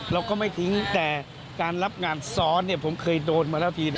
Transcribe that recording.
เราก็ไม่ทิ้งแต่การรับงานซ้อนผมเคยโดนมาแล้วที